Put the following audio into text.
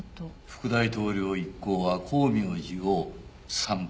副大統領一行は光明寺を参拝する。